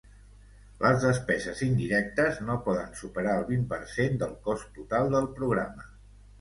Les despeses indirectes no poden superar el vint per cent del cost total del programa.